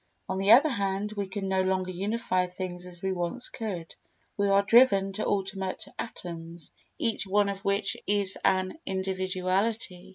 On the other hand, we can no longer unify things as we once could; we are driven to ultimate atoms, each one of which is an individuality.